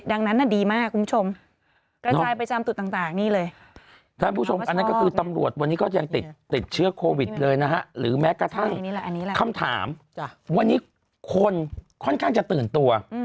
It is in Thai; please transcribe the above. วันนี้คนค่อนข้างจะตื่นตัว